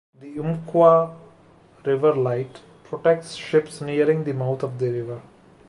The Umpqua River Light protects ships nearing the mouth of the river.